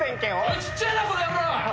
声ちっちゃいなこの野郎！